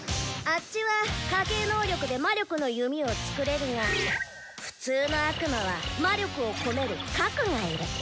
あッチは家系能力で「魔力の弓」を作れるが普通の悪魔は魔力を込める「核」がいる。